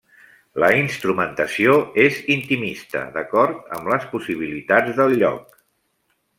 La instrumentació és intimista, d'acord amb les possibilitats del lloc.